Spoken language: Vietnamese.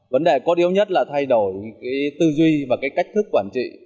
vấn đề có điếu nhất là thay đổi cái tư duy và cái cách thức quản trị